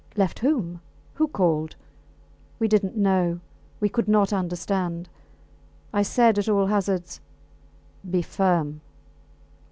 Left whom? Who called? We did not know. We could not understand. I said at all hazards Be firm.